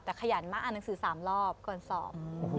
แต่ขยันมากอ่านหนังสือ๓รอบก่อนสอบ